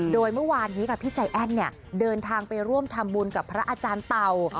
โดยเมื่อวานนี้ค่ะพี่ใจแอ้นเนี่ยเดินทางไปร่วมทำบุญกับพระอาจารย์เต่า